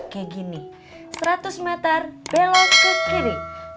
kayak gini seratus meter belok ke kiri